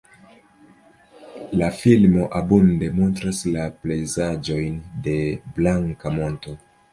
La filmo abunde montras la pejzaĝojn de Blanka Monto.